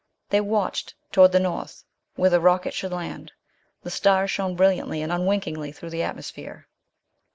They watched toward the north, where the rocket should land. The stars shone brilliantly and unwinkingly through the atmosphere.